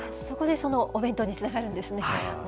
そこでそのお弁当につながるんですね。